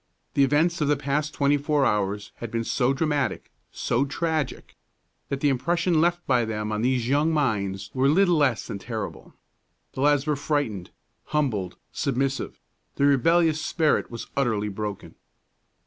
The events of the past twenty four hours had been so dramatic, so tragic, that the impressions left by them on these young minds were little less than terrible. The lads were frightened, humbled, submissive; the rebellious spirit was utterly broken.